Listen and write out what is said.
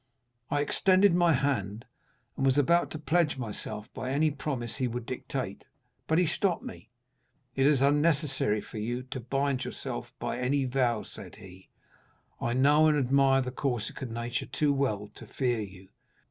"I extended my hand, and was about to pledge myself by any promise he would dictate, but he stopped me. "'It is unnecessary for you to bind yourself by any vow,' said he; 'I know and admire the Corsican nature too well to fear you.